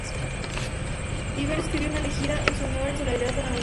Tiberio escribió una elegía en su honor en solidaridad con Augusto.